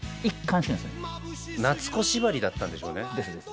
「ナツコ」縛りだったんでしょうね。